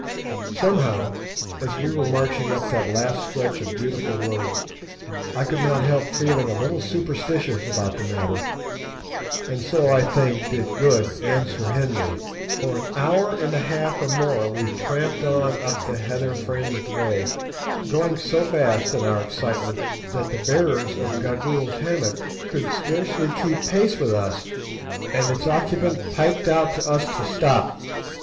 Somehow, as we were marching up that last stretch of beautiful road, I could not help feeling a little superstitious about the matter, and so I think did Good and Sir Henry. For an hour and a half or more we tramped on up the heather fringed way, going so fast in our excitement that the bearers of Gagool's hammock could scarcely keep pace with us, and its occupant piped out to us to stop.